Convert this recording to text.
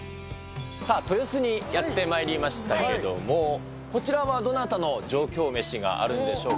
さあ、豊洲にやってまいりましたけれども、こちらはどなたの上京メシがあるんでしょうか。